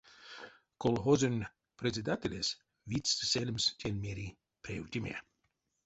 Колхозонь председателесь витьстэ сельмс тень мери превтеме.